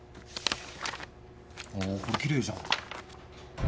おおこれきれいじゃん。